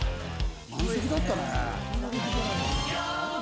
満席だったね。